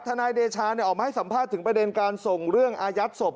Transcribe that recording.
นายเดชาออกมาให้สัมภาษณ์ถึงประเด็นการส่งเรื่องอายัดศพ